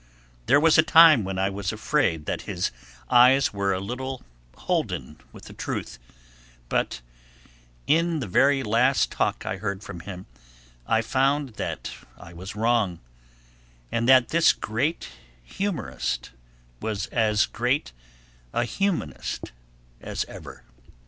There was a time when I was afraid that his eyes were a little holden from the truth; but in the very last talk I heard from him I found that I was wrong, and that this great humorist was as great a humanist as ever.